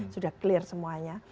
sudah clear semuanya